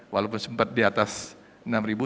walaupun sempat diatas enam ribu